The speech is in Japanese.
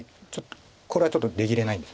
これはちょっと出切れないんです。